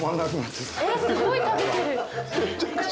えっすごい食べてる。